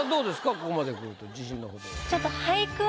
ここまでくると自信の程は。